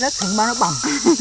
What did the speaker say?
rớt thì bà nó bầm